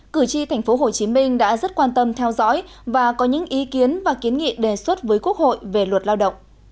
cử tri tp hcm đã rất quan tâm theo dõi và có những ý kiến và kiến nghị đề xuất với quốc hội về luật lao động